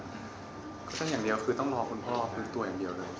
ซึ่งอย่างเดียวคือต้องรอคุณพ่อฟื้นตัวอย่างเดียวเลย